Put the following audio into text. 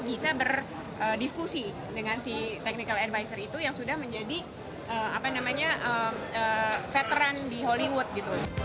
bisa berdiskusi dengan si technical advisor itu yang sudah menjadi veteran di hollywood gitu